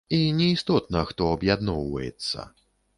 І не істотна, хто аб'ядноўваецца.